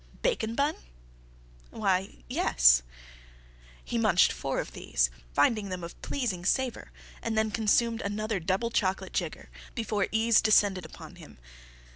"Bacon bun?" "Why—yes." He munched four of these, finding them of pleasing savor, and then consumed another double chocolate jigger before ease descended upon him.